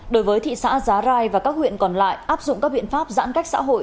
đối với thị xã giá rai và các huyện còn lại áp dụng các biện pháp giãn cách xã hội